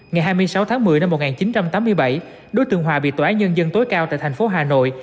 ngày hai mươi sáu tháng một mươi năm một nghìn chín trăm tám mươi bảy đối tượng hòa bị tòa án nhân dân tối cao tại thành phố hà nội